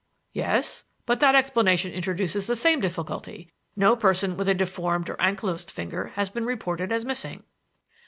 "Yes; but that explanation introduces the same difficulty. No person with a deformed or ankylosed finger has been reported as missing."